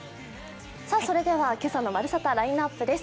それではけさの「まるサタ」ラインナップです。